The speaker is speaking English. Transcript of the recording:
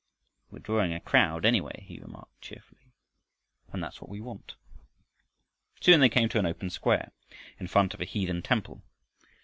"We're drawing a crowd, anyway," he remarked cheerfully, "and that's what we want." Soon they came to an open square in front of a heathen temple.